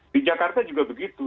di jakarta juga begitu